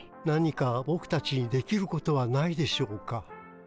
何かぼくたちにできることはないでしょうか。